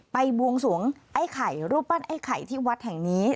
บวงสวงไอ้ไข่รูปปั้นไอ้ไข่ที่วัดแห่งนี้